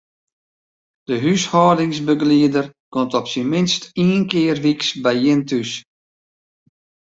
De húshâldingsbegelieder komt op syn minst ien kear wyks by jin thús.